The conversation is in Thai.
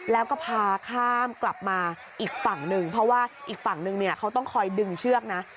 แล้วก็พาข้ามกลับมาอีกฝั่งหนึ่งเพราะว่าอีกฝั่งนึงเนี่ยเขาต้องคอยดึงเชือกนะ